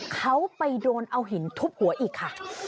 เขาไปโดนเอาหินทุบหัวอีกค่ะ